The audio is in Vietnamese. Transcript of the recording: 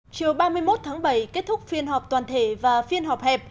chiều ba mươi một tháng bảy kết thúc phiên họp toàn thể và phiên họp hẹp